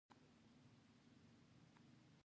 ولې د تشو بولو اندازه په دواړو موسمونو کې یو شان نه وي؟